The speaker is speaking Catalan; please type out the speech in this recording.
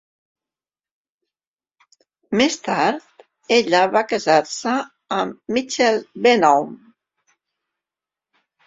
Més tard, ella va casar-se amb Michael Bennahum.